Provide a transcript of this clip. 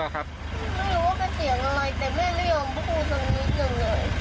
แต่แม่ไม่ยอมพูดสักนิดนึงเลย